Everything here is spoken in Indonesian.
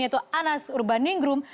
yaitu anas urbaningrum